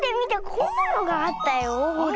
こんなのがあったよほら。